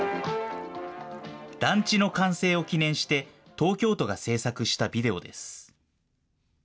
団地の完成を記念して、東京都が制作したビデオです。